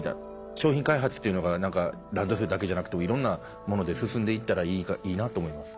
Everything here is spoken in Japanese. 商品開発というのがランドセルだけじゃなくていろんなもので進んでいったらいいなと思います。